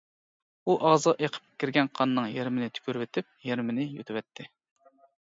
ئۇ ئاغزىغا ئېقىپ كىرگەن قاننىڭ يېرىمىنى تۈكۈرۈۋېتىپ، يېرىمىنى يۇتۇۋەتتى.